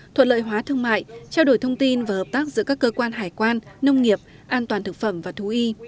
thuận lợi hóa thương mại trao đổi thông tin và hợp tác giữa các cơ quan hải quan nông nghiệp an toàn thực phẩm và thú y